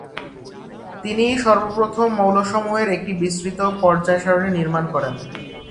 তিনিই সর্বপ্রথম মৌলসমূহের একটি বিস্তৃত পর্যায় সারণি নির্মাণ করেন।